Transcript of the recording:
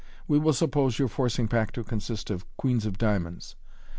We will suppose your forcing pack to consist of queens of diamonds.